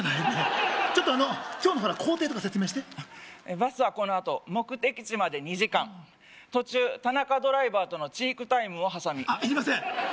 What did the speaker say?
ねえちょっとあの今日のほら行程とか説明してバスはこのあと目的地まで２時間途中田中ドライバーとのチークタイムを挟みあっいりません